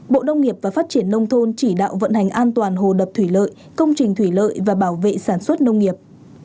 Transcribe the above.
bộ nông nghiệp và phát triển nông thôn chỉ đạo vận hành an toàn hồ đập thủy lợi công trình thủy lợi và bảo vệ sản xuất nông nghiệp